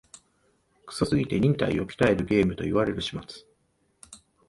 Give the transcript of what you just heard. クソすぎて忍耐を鍛えるゲームと言われる始末